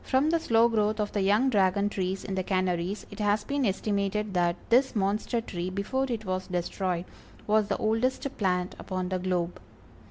From the slow growth of the young Dragon trees in the Canaries, it has been estimated that this monster tree before it was destroyed, was the oldest plant upon the globe.